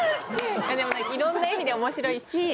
・でもいろんな意味で面白いし。